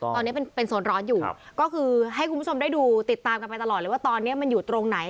ตอนนี้เป็นโซนร้อนอยู่ก็คือให้คุณผู้ชมได้ดูติดตามกันไปตลอดเลยว่าตอนนี้มันอยู่ตรงไหน